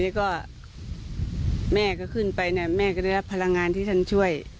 แล้วก็แม่ก็ขึ้นไปเนี่ยแม่ก็ได้รับพลังงานที่ท่านช่วย